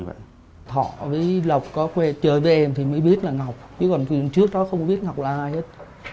với lộc có chơi với em thì mới biết là ngọc chứ còn trước đó không biết ngọc là ai hết